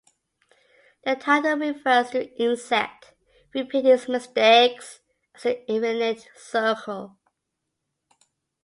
The title refers to an insect, repeating its mistakes, as in an infinite circle.